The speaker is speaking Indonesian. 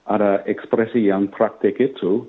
ada ekspresi yang praktik itu